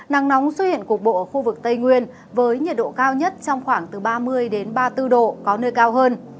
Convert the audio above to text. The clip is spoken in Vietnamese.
nắng nóng xuất hiện cục bộ ở khu vực tây nguyên với nhiệt độ cao nhất trong khoảng từ ba mươi ba mươi bốn độ có nơi cao hơn